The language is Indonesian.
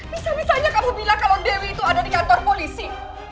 bisa bisanya kamu bilang kalau dewi itu ada di kantor polisi